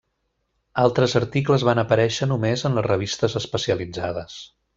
Altres articles van aparèixer només en les revistes especialitzades.